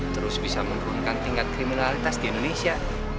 terus bisa menurunkan tingkat kriminalitas di indonesia